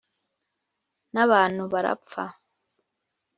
N'abantu barapfa.